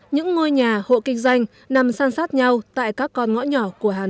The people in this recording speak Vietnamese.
những ngôi nhà hộ kinh doanh nằm san sát nhau tại các con ngõ nhỏ của hà nội